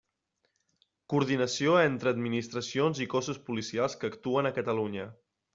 Coordinació entre administracions i cossos policials que actuen a Catalunya.